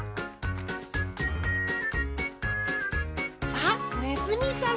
あっねずみさん！